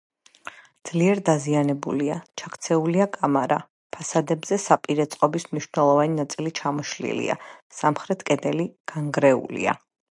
ძლიერ დაზიანებულია: ჩაქცეულია კამარა, ფასადებზე საპირე წყობის მნიშვნელოვანი ნაწილი ჩამოშლილია, სამხრეთ კედელი განგრეულია.